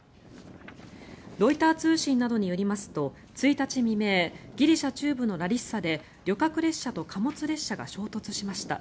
ロイター通信などによりますと１日未明ギリシャ中部のラリッサで旅客列車と貨物列車が衝突しました。